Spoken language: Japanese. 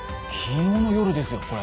昨日の夜ですよ